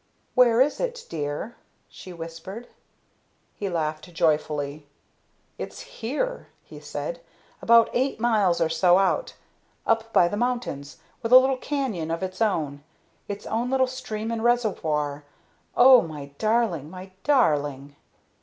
"Where is it, dear?" she whispered. He laughed joyfully. "It's here!" he said. "About eight miles or so out, up by the mountains; has a little canyon of its own its own little stream and reservoir. Oh, my darling! My darling!"